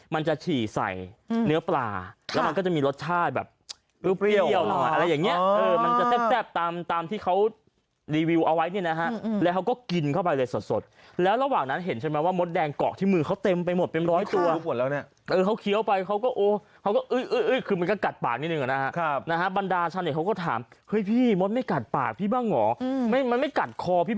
มันจะฉี่ใส่เนื้อปลาแล้วมันก็จะมีรสชาติแบบเปรี้ยวอะไรอย่างเนี่ย